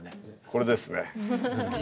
これですね。